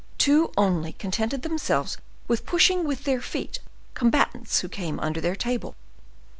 Two only contented themselves with pushing with their feet combatants who came under their table.